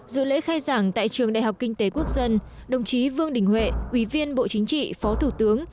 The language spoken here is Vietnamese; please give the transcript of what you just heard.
dự lễ khai giảng tại trường đại học kinh tế quốc dân đồng chí vương đình huệ ủy viên bộ chính trị phó thủ tướng